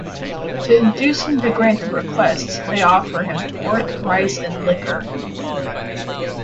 To induce him to grant their requests, they offer him pork, rice, and liquor.